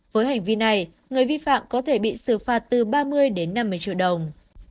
với hành vi này người vi phạm có thể bị xử phạt từ ba mươi đến năm mươi triệu đồng